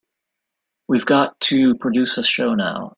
We've got to produce a show now.